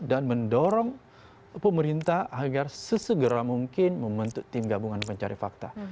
dan mendorong pemerintah agar sesegera mungkin membentuk tim gabungan pencari fakta